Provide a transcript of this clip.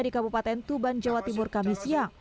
di kabupaten tuban jawa timur kamisya